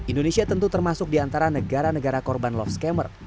indonesia tentu termasuk di antara negara negara korban love scammer